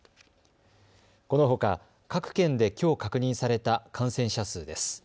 このほか各県できょう確認された感染者数です。